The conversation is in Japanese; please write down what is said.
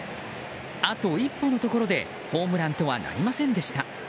あと一歩のところでホームランとはなりませんでした。